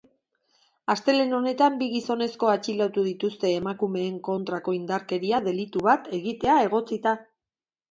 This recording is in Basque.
Astelehen honetan bi gizonezko atxilotu dituzte emakumeen kontrako indarkeria delitu bat egitea egotzita.